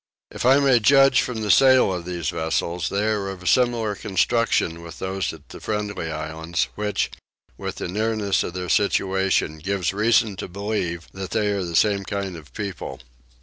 If I may judge from the sail of these vessels they are of a similar construction with those at the Friendly Islands which, with the nearness of their situation, gives reason to believe that they are the same kind of people.